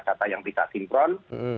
data yang tidak sinkron